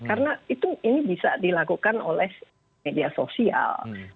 karena ini bisa dilakukan oleh media sosial